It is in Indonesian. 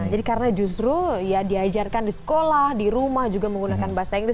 jadi karena justru diajarkan di sekolah di rumah juga menggunakan bahasa inggris